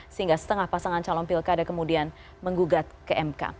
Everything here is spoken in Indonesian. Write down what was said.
sehingga setengah pasangan calon pilkada kemudian menggugat ke mk